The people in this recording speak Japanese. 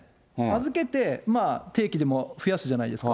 預けて、定期でも増やすじゃないですか。